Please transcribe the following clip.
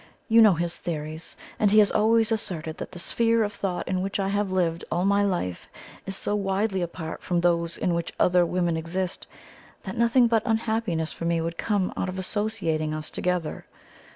You know his theories; and he has always asserted that the sphere of thought in which I have lived all my life is so widely apart from those in which other women exist that nothing but unhappiness for me could come out of associating us together.